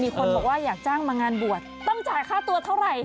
คนบอกว่าอยากจ้างมางานบวชต้องจ่ายค่าตัวเท่าไหร่